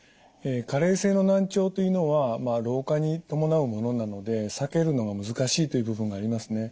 加齢性の難聴というのは老化に伴うものなので避けるのが難しいという部分がありますね。